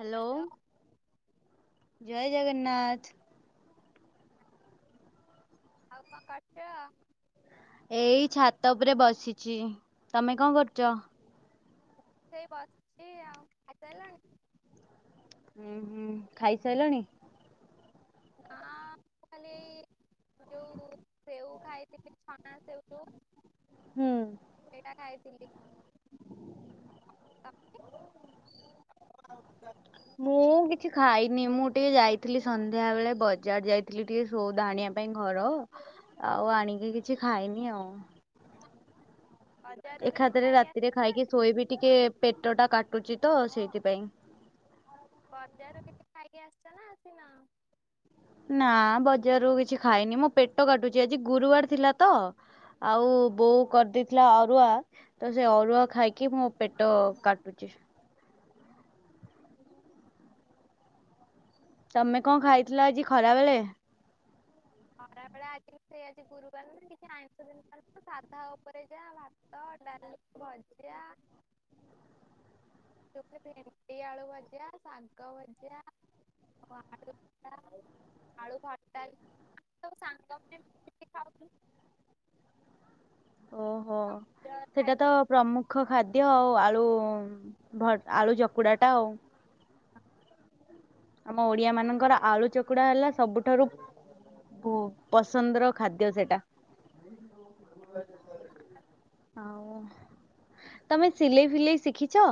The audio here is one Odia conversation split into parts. ହାଲୋ ଜୟ ଜଗନ୍ନାଥ। ଆଉ କଣ କରୁଚ? ଏଇ ଛାତ ଉପରେ ବସିଛି ତମେ କଣ କରୁଛ? ସେଇ ବସିଛି ଆଉ ଖାଇସାଇଲନି। ଉୁଁ ହୁଁ ଖାଇସାଇଲଣି। ହଁ ମୁଁ ଖାଲି। ଯୋଉ ସେଉ ଖାଇଥିଲି ଛଣା ସେଉ ଯୋ ହୁଁ। ଖାଇଥିଲି। [unintelligible] ମୁଁ କିଛି ଖାଇନି ମୁଁ ଟିକେ ଯାଇଥିଲି ସନ୍ଧ୍ୟା ବେଳେ ବଜାର ଯାଇଥିଲି ଟିକେ ସୌଉଦା ଆଣିବା ପାଇଁ। ପାଇଁ ଘର ଆଉ ଆଣିକି କିଛି ଖାଇନି ଆଉ। [unintelligible] କିଛି ଏକାଦରେ ଖାଇକି ଆସ ରାତିରେ ଖାଇକି ଶୋଇ ବିି ଟିକେ ପେଟ ଟା କାଟୁଛି ତ ସେଇଥିପାଇଁ। ବଜାରୁ କିଛି ଖାଇକି ଆସିଛ ନା ଆସିନା। ନା ବଜାରରୁ କିଛି ଖାଇନି ମୁଁ ପେଟ କାଟୁଛି ଆଜି ଗୁରୁବାର ଥିଲା ତ। ଆଉ ବୋଉ କରିଦେଇଥିଲା ଅରୁଆ। ତ ସେଇ ଅରୁଆ ଖାଇକି ମୋ ପେଟ କାଟୁଛି। ତମେ କଣ ଖାଇଥିଲ ଆଜି ଖରା ବେଳେ? ଖରାବେଳେ ଆଜି ସେଇ ଆଜି ଗୁରୁବାର ନା କିଛି ଆଇଁଷ ଦିନ ସାଧା ଉପରେ ଯା ତ ଡାଲି ଭଜା। ଭେଣ୍ଡି ଆଳୁ ଭଜା ଶାଗ ଭଜା। ଆଉ ଆଳୁ ଭର୍ତା। ଆଳୁ ଭାତଟ ତ ସ ଖାଉ ଓହୋ ସମସ୍ତେ ସେଇଟା ତ ପ୍ରମୁଖ ଖାଦ୍ୟ ଆଉ ଆଳୁ ଭ ଆଳୁ ଚକୁଡ଼ାଟା ଆଉ। [unintelligible] ଆମ ଓଡିଆ ମାନଙ୍କର ଆଳୁ ଚକୁଡା ହେଲା ସବୁଠାରୁ ବ ପସନ୍ଦର ଖାଦ୍ୟ ସେଟା। ଖାଇବା ଆଉ ତମେ ସିଲେଇ ଫିଲେଇ ଶିଖିଛ।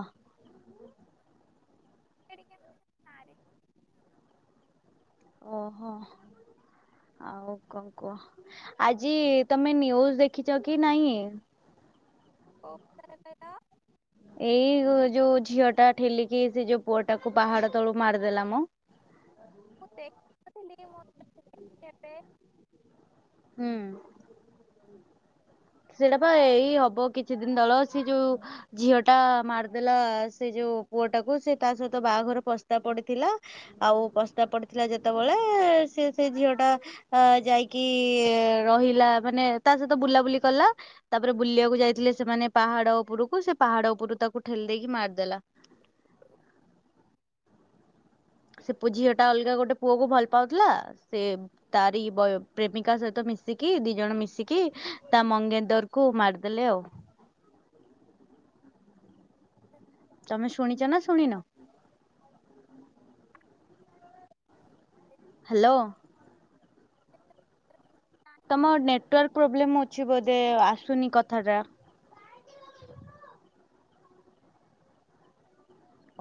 ଟିକେ ଟିକେ ମାରେ। ଓହୋ। ଆଉ କଣ କୁହ ଆଜି ତମେ ନ୍ୟୁଜ୍ ଦେଖିଛ କି ନାଇଁ? [unintelligible] ଏଇ ଯୋଉ ଝିଅ ଟା ଠେଲିକି ସେ ଯୋଉ ପୁଅ ଟାକୁ ପାହାଡ ତଳୁ ମାରିଦେଲା ମ। ମୁଁ ଦେଖିନଥିଲି ମୋ [inaudible] କେବେ। ହୁଁ। ସେଇଟା ବା ଏଇ ହବ କିଛି ଦିନ ତଳ ସେ ଯୋଉ ଝିଅ ଟା ମାରିଦେଲା ସେ ଯୋଉ ପୁଅଟାକୁ ସେ ତା ସହିତ ବାହାଘର ପସ୍ତା ପଡିଥିଲା। ଆଉ ପସ୍ତା ପଡିଥିଲା ଯେତେବେଳେ ସେ ସେ ଝିଅ ଟା ଅ ଯାଇକି ରହିଲା ମାନେ ତା ସହିତ ବୁଲାବୁଲି କଲା। ତାପରେ ବୁଲିବାକୁ ଯାଇଥିଲେ ସେମାନେ ପାହାଡ଼ ଉପରକୁ ସେ ପାହାଡ଼ ଉପରୁ ତାକୁ ଠେଲି ଦେଇକି ମାରିଦେଲା। [inaudible] ସେ ପୁ ଝିଅ ଟା ଅଲଗା ଗୋଟେ ପୁଅ କୁ ଭଲ ପାଉଥିଲା ସେ ତାରି ବ ପ୍ରେମିକା ସହିତ ମିଶିକି ଦି ଜଣ ମିଶିକି ତା ମଙ୍ଗେନ୍ଦର କୁ ମାରଦେଲେ ଆଉ। ତମେ ଶୁଣିଚ ନା ଶୁଣିନ? ହାଲୋ। [inaudible] ତମ ନେଟୱାର୍କ ପ୍ରୋବ୍ଲେମ୍ ଅଛି ବୋଧେ ଆସୁନି କଥାଟା।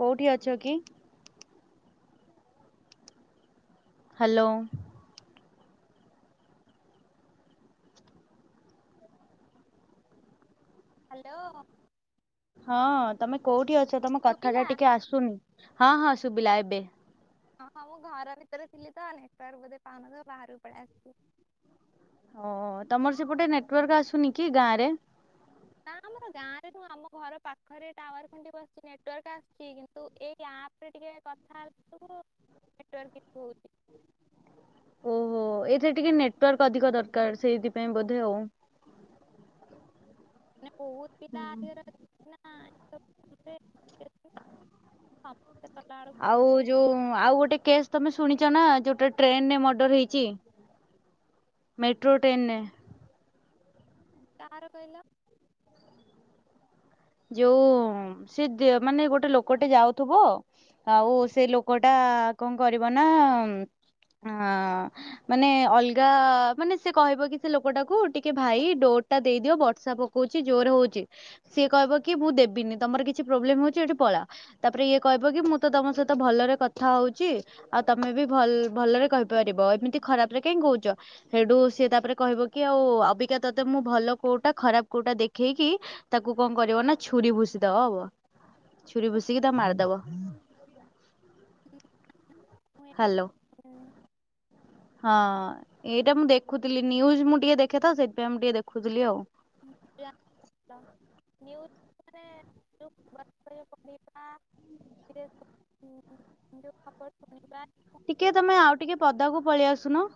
କୋଉଠି ଅଛ କି? ହାଲୋ। ହାଲୋ। ହଁ ତମେ କୋଉଠି ଅଛ ତମ କଥା ଟା ଶୁଭିଲା? ଟିକେ ଆସୁନି ହଁ ହଁ ଶୁବିଲା ଏବେ। ହଁ ହଁ ମୁଁ ଘର ଭିତରେ ଥିଲି ତ ନେଟୱର୍କ ବୋଧେ ପାଉନଥିବ ବାହାରକୁ ପଳେଇ ଆସିଲି। ଓ ତମର ସେପଟେ ନେଟୱାର୍କ ଆସୁନି କି ଗାଁ ରେ? ନା ଆମ ଗାଁ ରେ ନୁହ ଆମ ଘର ପାଖରେ ଟାୱାର ଖୁଣ୍ଟି ବସିଚି ନେଟୱାର୍କ ଆସଚି କିନ୍ତୁ ଏଇ ଆପ ରେ ଟିକେ କଥା ହେଲାଳୁ ନେଟୱର୍କ ଇଶୁ ହୋଉଚି। ଓହୋ ଏଥିରେ ଟିକେ ନେଟୱାର୍କ ଅଧିକ ଦରକାର ସେଇଥିପାଇଁ ବୋଧେ ଆଉ। ମାନେ ବହୁତ ପିଲା [inaudible] ନା। ସମସ୍ତେ କଲା ବେଳକୁ ଆଉ ଯୋଉ ଆଉ ଗୋଟେ କେସ୍ ତମେ ଶୁଣିଚ ନା ଯୋଉଟା ଟ୍ରେନରେ ମର୍ଡର ହେଇଚି। ମେଟ୍ରୋ ଟ୍ରେନରେ। କାହାର କହିଲ? ଯୋଉ ସେ ମାନେ ଗୋଟେ ଲୋକଟେ ଯାଉଥିବ ଆଉ ସେ ଲୋକ ଟା କଁ କରିବ ନା ଅଁ ମାନେ ଅଲଗା ମାନେ ସେ କହିବ କି ସେ ଲୋକଟାକୁ ଟିକେ ଭାଇ ଡୋ ଟା ଦେଇଦିଅ ବର୍ଷା ପକଉଚି ଜୋର ହଉଚି ସେ କହିବ କି ମୁଁ ଦେବିନି ତମର କିଛି ପ୍ରୋବ୍ଲେମ ହଉଚି ଏଠି ପଳା। ତାପରେ ଇଏ କହିବ କି ମୁଁ ତ ତମ ସହିତ ଭଲରେ କଥା ହଉଚି। ଆଉ ତମେ ବି ଭଲ ଭଲରେ କହିପାରିବ ଏମିତି ଖରାପ ରେ କାହିଁ କହୁଚ? ହେଟୁ ସିଏ ତାପରେ କହିବ କି ଆଉ ଅବିକା ତତେ ମୁଁ ଭଲ କୋଉଟା ଖରାପ କୋଉଟା ଦେଖେଇକି ତାକୁ କଁ କରିବ ନା ଛୁରୀ ଭୁଷିଦବ ଛୁରୀ ଭୁଷିକି ତାକୁ ମାରିଦବ। ହାଲୋ। ହଁ ଏଇଟା ମୁଁ ଦେଖୁଥିଲି ନ୍ୟୁଜ ମୁଁ ଟିକେ ଦେଖେ ତ ସେଇଥିପାଇଁ ମୁଁ ଟିକେ ଦେଖୁଥିଲି ଆଉ। [inaudible] ନ୍ୟୁଜ୍ ମାନେ [inaudible] [inaudible] ଟିକେ ତମେ ଆ ଟିକେ ପଦାକୁ ପଳି ଆସୁନ।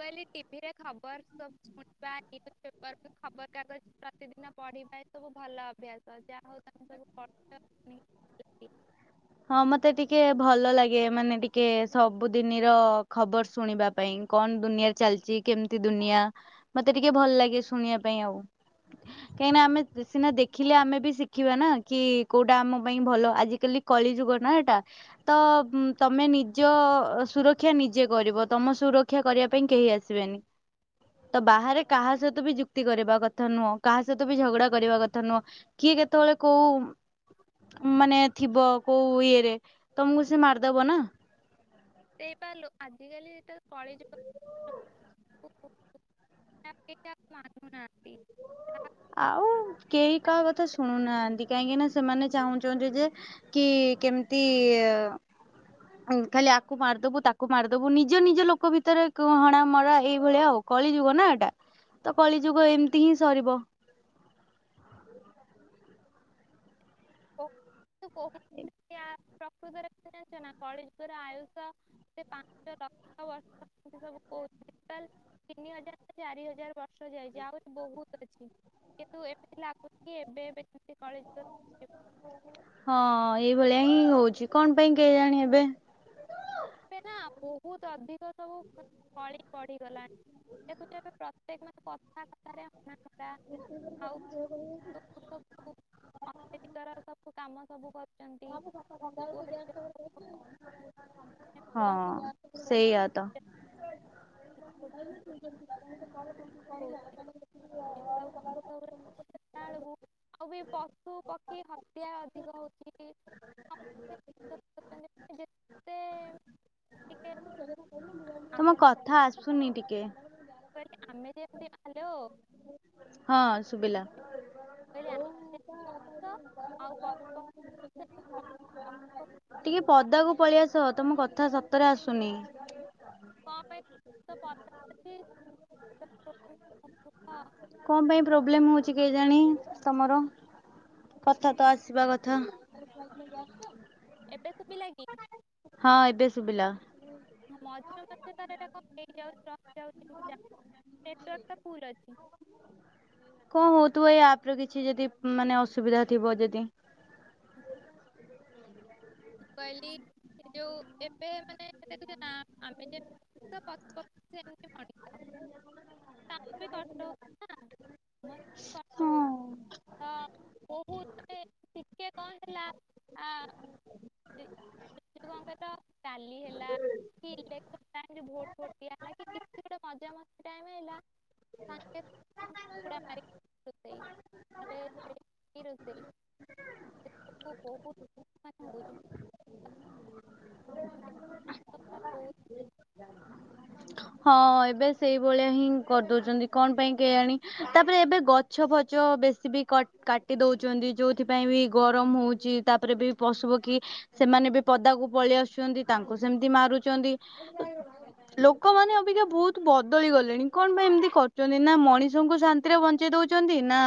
କହଲି ଟିଭିରେ ଖବର ସ ଶୁଣିବା ନ୍ୟୁଜ ପେପର ଖବରକାଗଜ ପ୍ରତିଦିନ ପଢିବା ଏସବୁ ଭଲ ଅଭ୍ୟାସ ଯାହା ହଉ ତମେ ସବୁ [inaudible] ହଁ ମତେ ଟିକେ ଭଲ ଲାଗେ ମାନେ ଟିକେ ସବୁଦିନିର ଖବର ଶୁଣିବା ପାଇଁ କଣ ଦୁନିଆରେ ଚାଲିଚି କେମିତି ଦୁନିଆ ମତେ ଟିକେ ଭଲ ଲାଗେ ଶୁଣିଆ ପାଇଁ ଆଉ। କାହିଁକିନା ଆମେ ସ-ସିନା ଦେଖିଲେ ଆମେ ବି ଶିଖିବା ନା କି କୋଉଟା ଆମ ପାଇଁ ଭଲ ଆଜିିକାଲି କଳିଯୁଗ ନା ଏଟା। ତ ତମେ ନିଜ ସୁରକ୍ଷା ନିଜେ କରିବ ତମ ସୁର କ୍ଷା କରିବା ପାଇଁ କେହି ଆସିବେନି। ତ ବାହାରେ କାହା ସହିତ ବି ଯୁକ୍ତି କରିବା କଥା ନୁହଁ କାହା ସହିତ ବି ଝଗଡା କରିବା କଥା ନୁହଁ। କିଏ କେତେବେଳେ କୋଉ ମାନେ ଥିବ କୋଉ ଇଏ ରେ ତମୁକୁ ସେ ମାରିଦବ ନା। ସେଇପା ଲୋ-ଆଜିିକାଲି ଏଟା କଳିଯୁ [inaudible] ଆଉ କେହି କାହା କଥା ଶୁଣୁନାହାନ୍ତି କାହିଁକି ନା ସେମାନେ ଚାହୁଁଚନ୍ତି ଯେ କି କେମିତି ଆ-ଉ ଖାଲି ଆକୁ ମାରିଦବୁ ତାକୁ ମାରିଦବୁ ନିଜ ନିଜ ଲୋକ ଭି ଭିତରେ କ-ହଣା ମରା ଏଇଭଳିଆ ଆଉ କଳି ଯୁଗ ନା ଏଟା ତ କଳିଯୁଗ ଏମିତି ହିଁ ସରିବ। [inaudible] ପ୍ରକୁତରେ ଜାଣିଚ ନା କଳିଯୁଗ ର ଆୟୁଷ [inaudible] ତିନି ହଜାର ନା ଚାରି ହଜାର ବର୍ଷ ଯାଇଚି ଆହୁରି ବହୁତ ଅଛି। କି-ନ୍ତୁ ଏ-ମି-ତି ଲା-ଗୁ-ଚି କି ଏବେ ଏବେ ଯେ-ମି-ତି କ-ଳି-ଯୁ-ଗ। [inaudible] ହଁ ଏଇଭଳିଆ ହିଁ ହଉଚି କଣ ପାଇଁ କେଜାଣି ଏବେ। ଏବେ ନା ବହୁତ୍ ଅଧିକ ସବୁ କଳି ବଢିଗଲାଣି। ଦେ-ଖୁ-ଚ ଏ-ବେ ପ୍ର-ତ୍ୟେ-କ ମାନେ କଥା-କଥାରେ [inaudible] [inaudible] ସବୁ କାମ ସବୁ କରୁ [unintelligible] ହଁ ସେଇଆ ତ। ପିଲାଙ୍କ [unintelligible] [inaudible] ଏଳୁକୁ ଆଉ ବି ପଶୁ ପକ୍ଷୀ ହତ୍ୟା ଅଧିକ ହଉଚି। ଯେତେ ଟିକେ ତମ କଥା ଆସୁନି ଟିକେ। ମୁଁ କହିଲି ଆମେ ଯେମିତି ହାଲୋ ହଁ ଶୁବିଲା। [inaudible] ପକ୍ଷୀ ଟିକେ କଣ ପଦାକୁ ପଳେଇଆସ ତମ କଥା ସତରେ ଆସୁନି। କ ପାଇଁ [inaudible] କଁ ପାଇଁ ପ୍ରୋବ୍ଲେମ୍ ହଉଚି କେଜାଣି ତମର। କଥା ତ ଆସିବା କଥା। ଏବେ ଶୁବିଲା କି? ହଁ ଏବେ ଶୁବିଲା। ହଁ ମଝିରେ ମଝିରେ ତାର ଏଟା କଣ ହେଇଯାଉଚି ରହିଯାଉଚି ମୁଁ ଜାଣି-ନେଟୱାର୍କଟା ଫୁଲ୍ ଅଛି। କଁ ହଉଥିବ ଏଇ ଆପ୍ ର କିଛି ଯେଦି ମାନେ ଅସୁବିଧା ଥିବ ଯେଦି। [unintelligible] [unintelligible] [unintelligible] ବହୁ [inaudible] ଟିକେ କଣ ହେଲା ଆ [inaudible] ଡାଲି ହେଲା କିଛିଇଲେକ୍ସନ୍ ଟାଇମ୍ ଭୋଟ୍ ଫୋଟ୍ ଦିଆହେଲା କିଛି ଗୋଟେ ମଜାମସ୍ତି ଟାଇମ୍ ହେଲା। [inaudible] ଏଇ ରୋଷେଇ ବହୁତ୍ [inaudible] [inaudible] ହ ହଁ ଏବେ ସେଇଭଳିଆ ହିଁ କରିଦଉଚନ୍ତି କଣ ପାଇଁ କେ ଆଣି ତାପରେ ଏବେ ଗଛ୍ ଗଛ ଫଛ ବେଶୀ ବି କଟ୍ କାଟି ଦେଉଚନ୍ତି ଯୋଉଥିପାଇଁ ବି ଗରମ ହଉଚି। ତାପରେ ବି ପଶୁ ପକ୍ଷୀ ସେମାନେ ବି ପଦାକୁ ପଳେଇ ଆସୁସନ୍ତି ତାଙ୍କୁ ସେମିତି ମାରୁଚନ୍ତି। ଲୋକମାନେ ଅବିକା ବହୁତ ବଦଳି ଗଲେଣି କଣ ପାଇଁ ଏମିତି କରୁଚନ୍ତି ନା, ନା ମଣିଷଙ୍କୁ ଶାନ୍ତି ଶାନ୍ତି ରେ ବଞ୍ଚେଇ ଦଉଚନ୍ତି ନା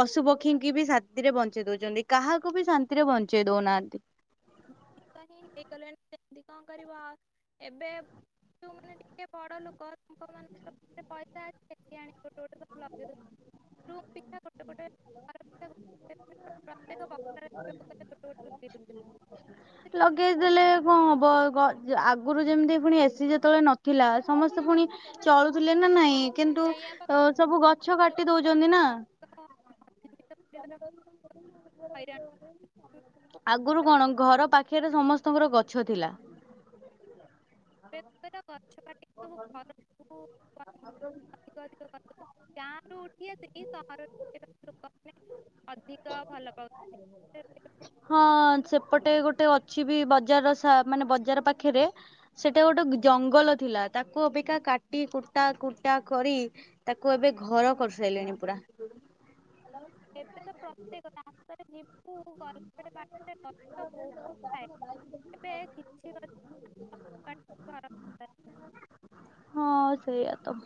ପଶୁ ପକ୍ଷୀଙ୍କ ବି ସାତିରେ ବଞ୍ଚେଇ ଦଉଚନ୍ତି କାହାକୁ ବି ଶାନ୍ତି ଶାନ୍ତି ରେ ବଞ୍ଚେଇଦଉନାଆନ୍ତି। [inaudible] ହେଇଗଲେଣି କେମିତି କଣ କରିବ ଏବେ ସେମାନେ ତ ବଡ ଲୋକ ତାଙ୍କ ମାନଙ୍କୁ ତାଙ୍କର ପଇସା ଅଛି ସିଏ ଆଣି ଗୋଟେ ଗୋଟେ ଲଗେଇଦଉଚନ୍ତି [inaudible] ଗୋଟେ ଗୋଟେ ଲଗେଇ ଦଉଛନ୍ତି [unintelligible] ଯୋଉମାନେ ଲଗେଇ ଦେଲେ। କଣ ହବ ଘ ଆଗରୁ ଯେମିତି ପୁଣି ଏସି ଯେତେବେଳେ ନଥିଲା, ସମସ୍ତେ ପୁଣି ଚଳୁଥିଲେ ନା ନାଇଁ କିନ୍ତୁ ସେଇଆ ପା ଅ ସବୁ ଗଛ କାଟି ଦଉଚନ୍ତି ନା? ମଧ୍ୟମିକ ପରିବାର ହଇରାଣ ଆଗରୁ କଣ ଘର ପାଖେରେ ସମସ୍ତଙ୍କର ଗଛ ଥିଲା। ଏବେ ସବୁ ଗଛ କାଟି କି ସବୁ ଘରେ [inaudible] ଅଧିକ ଅଧିକ [inaudible] ଗାଁ ରୁ ଉଠି ଆସିକି ସହର ରେ ଲୋକ [unintelligible] ହଁ ସେପଟେ ଗୋଟେ ଅଛି ବି ବଜାରର ସ ମାନେ ବଜାର ପାଖେରେ ସେଟି ଗୋଟେ ଜଙ୍ଗଲ ଥିଲା ତାକୁ ଅବିକା କାଟି କୁଟା କୁଟା କରି ତାକୁ ଏବେ ଘର କରିସାଇଲେଣି ପୁରା। ଏବେ ତ ପ୍ରତ୍ୟେକ ରାସ୍ତାରେ ଯିବୁ [inaudible] ସେପଟେ ବହୁତ ଥାଏ ଏବେ କିଛି [inaudible] ଘର ହଁ ସେଇଆ ତ।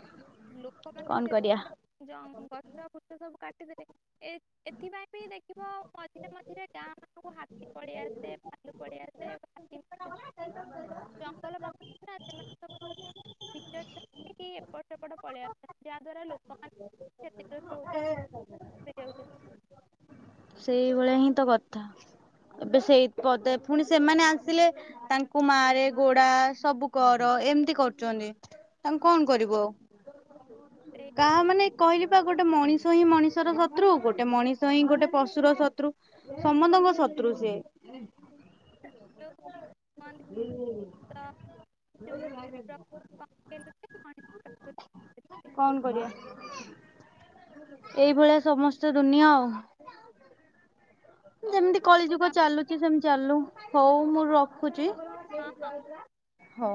ଲୋକମାନେ କଣ କରିବା ଏତେ ଯୋଉଁ ଗଛ ଫଛ ସବୁ କାଟିଦେଲେ। ଏ ଏଥିପାଇଁ ବି ଦେଖିବା ମଝିରେ ମଝିରେ ଗାଁରେ ହାତୀ ଳଳେଇ ଆସେ ଭାଲୁ ପଳେଇ ଆସେ [inaudible] [unintelligible] ଏପଟେ ପଳେଇଆସନ୍ତି ଯାହା ଦ୍ଵାରା ଲୋକମାନେ କ୍ଷତିଗ୍ରସ୍ତ ହେଉଚନ୍ତି। ସେଇଭଳିଆ ହିଁ ତ କଥା ଏବେ ସେଇ ପଦ ପୁଣି ସେମାନେ ଆସିଲେ ତାଙ୍କୁ ମାରେ ଗୋଡା ସବୁ କର ଏମିତି କରୁଚନ୍ତି। ତାଙ୍କୁ କଁ କରିବୁ ଆଉ। ସେଇ କାହା ମାନେ କହିଲି ବା ଗୋଟେ ମଣିଷ ହିଁ ମଣିଷର ଶତ୍ରୁ ଗୋଟେ ମଣିଷ ହିଁ ଗୋଟେ ପଷୁ ପଷୁର ଶତ୍ରୁ ସମନ୍ତଙ୍କ ଶତ୍ରୁ ସିଏ। [unintelligible] କୁହନ୍ତି ହୁଁ ତ ଯୋଉ ଭୂତପ୍ରେତ ପକେଇଲେ ମଣିଷ ପ୍ରକୃତି [inaudible] କଣ କରିଆ? ଏଇ ଭଳିଆ ସମସ୍ତ ଦୁନିଆ ଆଉ। ଆଉ ଯେମିତି କଳି ହଉ ଯୁଗ ରଖୁଛି ଚାଲୁଚି ସେମିତି ଚାଲୁ ହଉ ମୁଁ ରଖୁଚି। ହଁ। ହଁ।